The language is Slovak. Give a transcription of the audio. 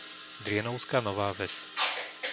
Drienovská Nová Ves